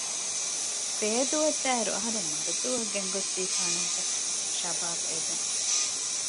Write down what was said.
ފޭދޫއަށްދާއިރު އަހަރެން މަރަދޫއަށް ގެންގޮސްދީފާނަންތަ؟ ޝަބާބް އެދުން